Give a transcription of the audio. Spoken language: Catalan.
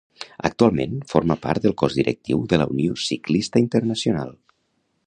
Actualment forma part del cos directiu de la Unió Ciclista Internacional.